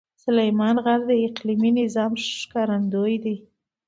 سلیمان غر د اقلیمي نظام ښکارندوی دی.